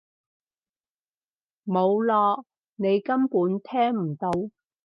冇囉！你根本聽唔到！